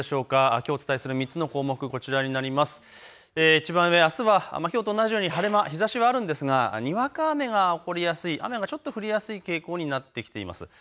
きょうお伝えする３つの項目いちばん上、あすはきょうと同じように晴れ間、日ざしはあるんですがにわか雨が起こりやすい、雨がちょっと降りやすい傾向になってきています。